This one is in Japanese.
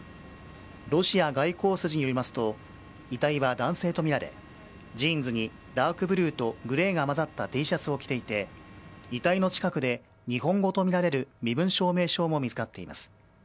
ロシア外交筋によりますと遺体は男性とみられジーンズにダークブルーとグレーが混ざったＴシャツを着ていて遺体の近くで日本語とみられる身分証明書も見つかっています。